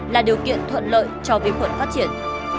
là điều kiện thuận lợi cho vi khuẩn phát triển